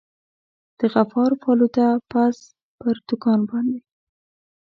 د غفار پالوده پز پر دوکان باندي.